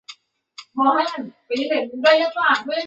但国共内战导致许多条文失去效力。